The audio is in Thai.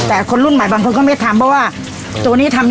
แต่คนรุ่นใหม่บางคนก็ไม่ทำเพราะว่าตัวนี้ทำ